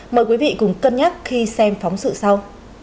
mời quý vị cùng cân nhắc khi xem phóng sự sau